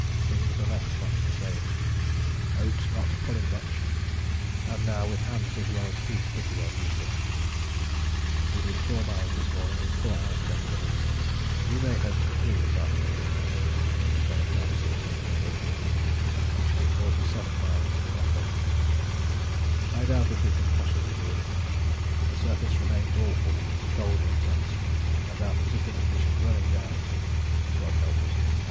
Things are left much the same, Oates not pulling much, and now with hands as well as feet pretty well useless. We did 4 miles this morning in 4 hours 20 min. we may hope for 3 this afternoon 7 x 6 = 42. We shall be 47 miles from the depôt. I doubt if we can possibly do it. The surface remains awful, the cold intense, and our physical condition running down. God help us!